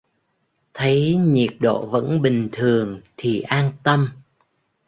Thấy nhiệt độ vẫn bình thường thì an Tâm